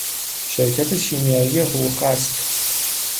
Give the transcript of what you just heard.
شرکت شیمیایی هوخست